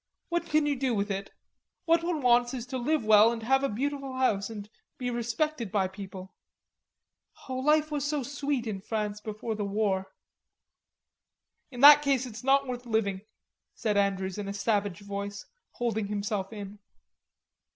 What can you do with it? What one wants is to live well and have a beautiful house and be respected by people. Oh, life was so sweet in France before the war." "In that case it's not worth living," said Andrews in a savage voice, holding himself in.